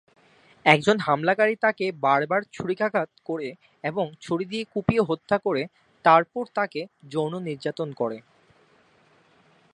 একজন হামলাকারী তাকে বারবার ছুরিকাঘাত করে এবং ছুরি দিয়ে কুপিয়ে হত্যা করে, তারপর তাকে যৌন নির্যাতন করে।